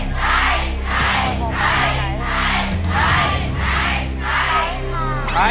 ไข่ไข่ไข่